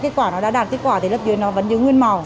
kết quả nó đã đạt kết quả thì lớp dưới nó vẫn giữ nguyên màu